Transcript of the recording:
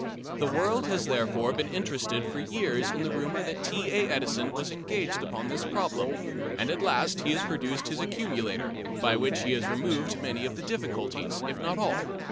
The world has therefore been interested for years in the rumour that T. A. Edison was engaged upon this problem, and at last he has produced his accumulator, by which he has removed many of the difficulties, if not all.